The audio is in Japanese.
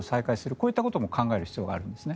こういったことも考える必要があるんですね。